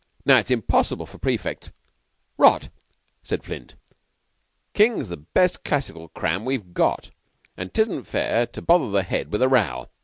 Now it's impossible for prefects " "Rot," said Flint. "King's the best classical cram we've got; and 'tisn't fair to bother the Head with a row.